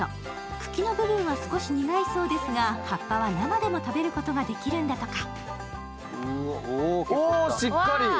茎の部分は少し苦いそうですが葉っぱは生でも食べることができるんだとか。